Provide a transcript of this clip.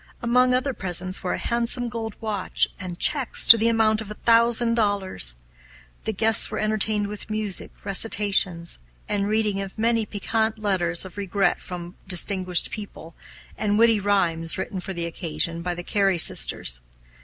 Among other presents were a handsome gold watch and checks to the amount of a thousand dollars. The guests were entertained with music, recitations, the reading of many piquant letters of regret from distinguished people, and witty rhymes written for the occasion by the Cary sisters.